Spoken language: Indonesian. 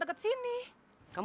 jadi selesai dirinya